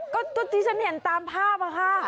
ก็ตัวจริงฉันเห็นตามภาพอ่ะค่ะ